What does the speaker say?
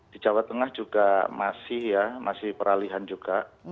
di jawa tengah juga masih ya masih peralihan juga